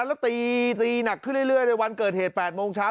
แล้วตีหนักขึ้นเรื่อยในวันเกิดเหตุ๘โมงเช้า